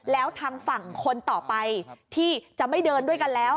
แล้วทางฝั่งคนต่อไปที่จะไม่เดินด้วยกันแล้ว